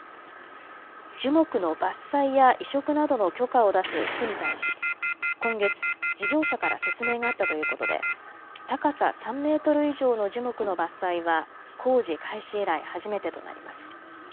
樹木の伐採や移植などの許可を出す区に対し、今月、事業者から説明があったということで高さ３メートル以上の樹木の伐採は工事開始以来、初めてとなります。